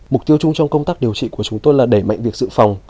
mục tiêu chung trong công tác điều trị của chúng tôi là đẩy mạnh việc dự phòng